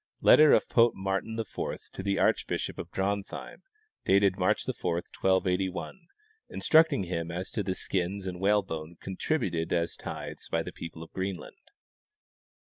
Letter of Pope Martin IV to the archbishop of Dron theim, dated March 4, 1281, instructing him as to the skins and whalebone contributed as tithes by the people of Greenland.